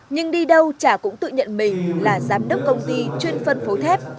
nhưng đi đâu trà cũng tự nhận mình là giám đốc công ty chuyên phân phố thép